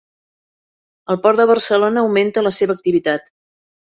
El Port de Barcelona augmenta la seva activitat